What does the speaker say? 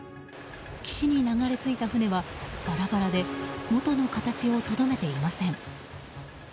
岸に流れ着いた船はバラバラで元の形をとどめていません。